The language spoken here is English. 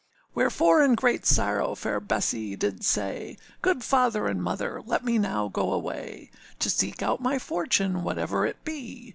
Wherefore in great sorrow fair Bessee did say: âGood father and mother, let me now go away, To seek out my fortune, whatever it be.